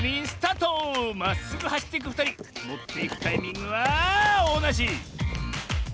まっすぐはしっていくふたりもっていくタイミングはおなじ！